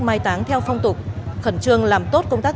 mai táng theo phong tục khẩn trương làm tốt công tác